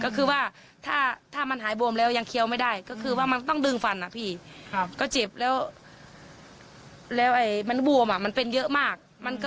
ก็คือว่าถ้ามันหายบวมแล้วยังเคี้ยวไม่ได้ก็คือว่ามันต้องดึงฟันอ่ะพี่ก็เจ็บแล้วมันบวมมันเป็นเยอะมาก